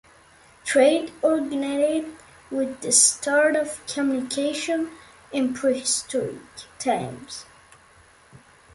Trade originated with the start of communication in prehistoric times.